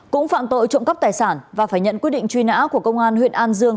cũng phạm tội trộm cắp tài sản và phải nhận quyết định truy nã của công an huyện an dương